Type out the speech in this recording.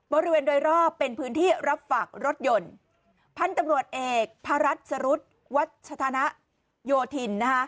บริเวณโดยรอบเป็นพื้นที่รับฝากรถยนต์พันธุ์ตำรวจเอกพระรัชสรุธวัชธนโยธินนะคะ